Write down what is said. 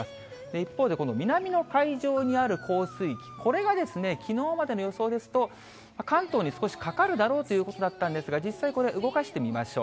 一方で、この南の海上にある降水域、これがきのうまでの予想ですと、関東に少しかかるだろうということだったんですが、実際、これ動かしてみましょう。